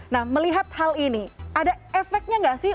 nah melihat hal ini ada efeknya nggak sih